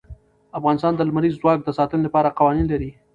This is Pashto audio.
افغانستان د لمریز ځواک د ساتنې لپاره قوانین لري.